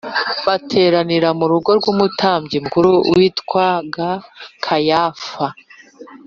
bateranira mu rugo rw’Umutambyi mukuru witwaga Kayafa